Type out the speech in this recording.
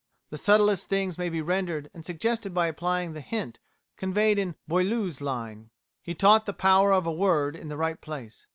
The subtlest things may be rendered and suggested by applying the hint conveyed in Boileau's line, 'He taught the power of a word in the right place.'"